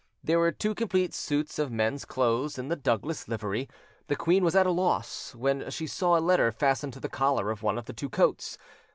There were two complete suits of men's clothes in the Douglas livery. The queen was at a loss, when she saw a letter fastened to the collar of one of the two coats.